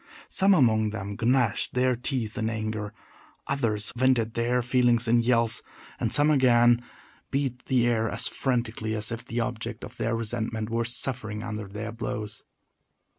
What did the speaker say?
Some among them gnashed their teeth in anger, others vented their feelings in yells, and some, again, beat the air as frantically as if the object of their resentment were suffering under their blows.